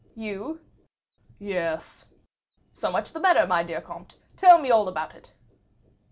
"You?" "Yes." "So much the better, my dear comte; tell me all about it."